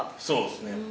そうですね。